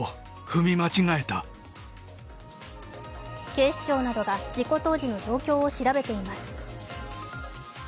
警視庁などが事故当時の状況を調べています。